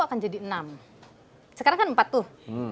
akan jadi enam sekarang kan empat tuh